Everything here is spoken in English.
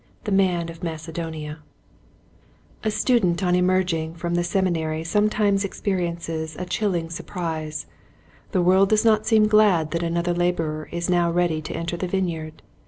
The Man of Macedonia, A STUDENT on emerging from the Semi nary sometimes experiences a chilling sur prise. The world does not seem glad that another laborer is now ready to enter the vineyard.